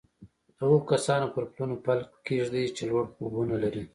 د هغو کسانو پر پلونو پل کېږدئ چې لوړ خوبونه لري